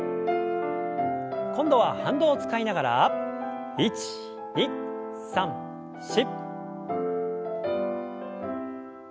今度は反動を使いながら１２３４！